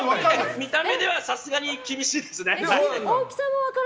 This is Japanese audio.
見た目ではさすがに厳しいです。